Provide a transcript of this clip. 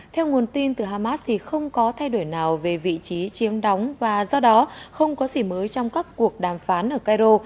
theo nguồn tin từ hamas thì không có thay đổi nào về vị trí chiếm đóng và do đó không có gì mới trong các cuộc đàm phán ở cairo